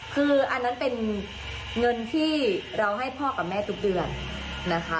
คืออันนั้นเป็นเงินที่เราให้พ่อกับแม่ทุกเดือนนะคะ